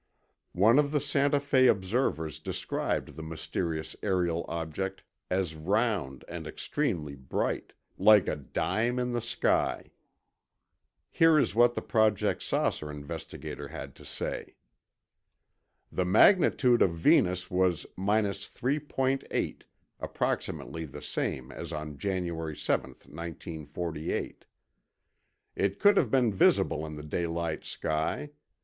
One of the Santa Fe observers described the mysterious aerial object as round and extremely bright, "like a dime in the sky." Here is what the Project "Saucer" investigator had to say: "The magnitude of Venus was 3.8 (approximately the same as on January 7, 1948). it could have been visible in the daylight sky.